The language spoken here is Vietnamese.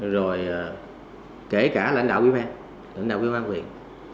rồi kể cả lãnh đạo ubnd lãnh đạo ubnd huyện